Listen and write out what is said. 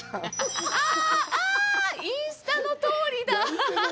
あ、インスタのとおりだ！